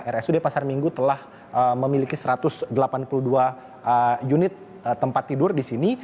rsud pasar minggu telah memiliki satu ratus delapan puluh dua unit tempat tidur di sini